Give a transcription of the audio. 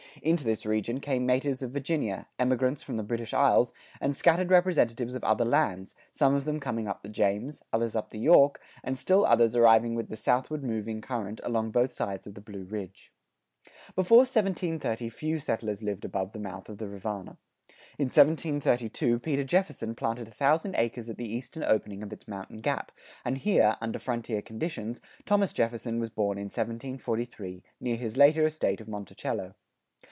[93:3] Into this region came natives of Virginia, emigrants from the British isles, and scattered representatives of other lands, some of them coming up the James, others up the York, and still others arriving with the southward moving current along both sides of the Blue Ridge. Before 1730 few settlers lived above the mouth of the Rivanna. In 1732 Peter Jefferson patented a thousand acres at the eastern opening of its mountain gap, and here, under frontier conditions, Thomas Jefferson was born in 1743 near his later estate of Monticello.